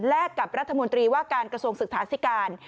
กับรัฐมนตรีว่าการกระทรวงศึกษาธิการ